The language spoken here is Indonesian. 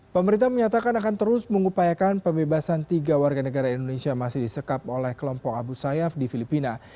pemerintah menyatakan akan terus mengupayakan pembebasan tiga warga negara indonesia masih disekap oleh kelompok abu sayyaf di filipina